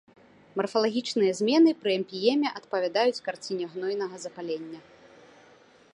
Марфалагічныя змены пры эмпіеме адпавядаюць карціне гнойнага запалення.